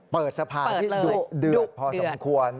เปิดสภาที่ดุเดือดพอสมควร